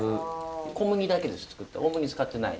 小麦だけで造った大麦使ってない。